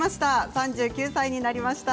３９歳になりました。